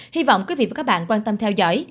hy vọng quý vị và các bạn quan tâm theo dõi